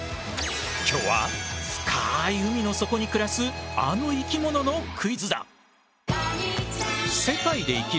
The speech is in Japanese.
今日は深い海の底に暮らすあの生き物のクイズだ！